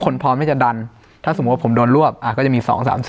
พร้อมที่จะดันถ้าสมมุติว่าผมโดนรวบก็จะมี๒๓๔